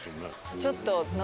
ちょっと。